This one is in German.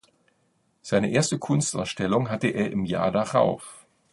Seine erste Kunstausstellung hatte er im Jahr darauf.